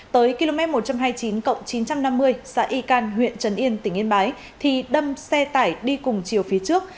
tới km một trăm hai mươi chín chín trăm năm mươi xã y can huyện trần yên tỉnh yên bái thì đâm xe tải đi cùng chiều phía trước